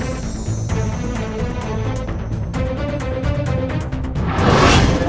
ya buat perempuan tyres